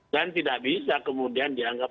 dan tidak bisa kemudian dianggap